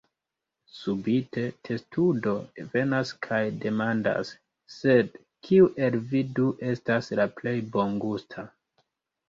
Subite, testudo venas kaj demandas: "Sed kiu el vi du estas la plej bongusta?"